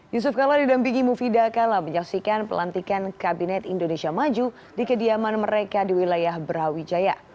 yusuf kala didampingi mufidah kala menyaksikan pelantikan kabinet indonesia maju di kediaman mereka di wilayah brawijaya